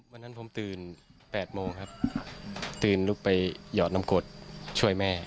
วันนั้นผมตื่น๘โมงครับตื่นลุกไปหยอดน้ำกรดช่วยแม่